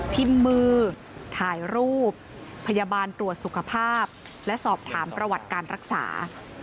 พิมพ์มือถ่ายรูปพยาบาลตรวจสุขภาพและสอบถามประวัติการรักษา